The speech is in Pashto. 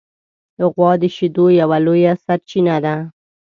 غوا د شیدو یوه لویه سرچینه ده.